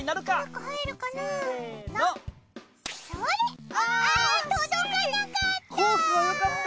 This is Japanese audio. あぁ届かなかった！